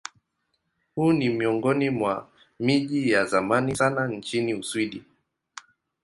Huu ni miongoni mwa miji ya zamani sana nchini Uswidi.